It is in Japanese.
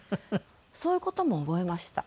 そういう事も覚えました